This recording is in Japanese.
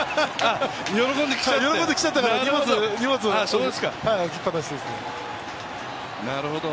喜んで来ちゃったから荷物、置きっぱなしで。